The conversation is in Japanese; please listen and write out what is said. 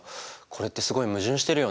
これってすごい矛盾してるよね。